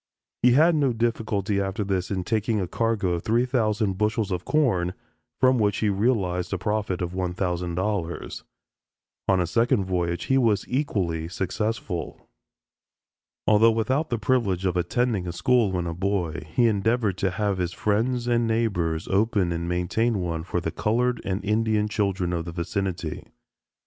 He had no difficulty after this in taking a cargo of three thousand bushels of corn, from which he realized a profit of $1000. On a second voyage he was equally successful. Although without the privilege of attending a school when a boy, he endeavored to have his friends and neighbors open and maintain one for the colored and Indian children of the vicinity.